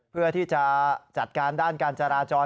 เพื่อที่จะจัดการด้านการจราจร